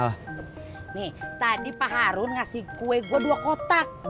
nih tadi pak harun ngasih gue kue dua kotak